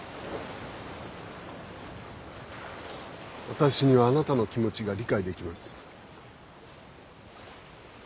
私にはあなたの気持ちが理解できます。